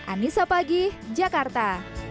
anissa pagi jakarta